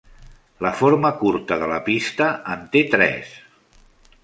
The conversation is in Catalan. La forma curta de la pista en té tres.